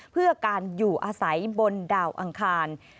เพื่อการอยู่อาศัยบนดาวอังคาร